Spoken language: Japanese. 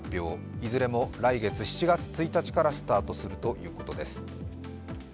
いずれも来月７月１日からスタートするということです。